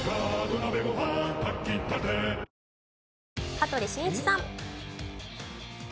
羽鳥慎一さん。